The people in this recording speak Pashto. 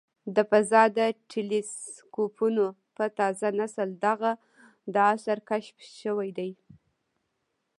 د فضا د ټیلسکوپونو په تازه نسل دغه د عصر کشف شوی دی.